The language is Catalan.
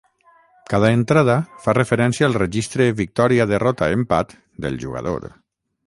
Cada entrada fa referència al registre Victòria-Derrota-Empat del jugador.